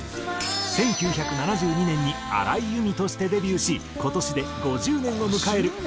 １９７２年に荒井由実としてデビューし今年で５０年を迎える松任谷由実を大特集！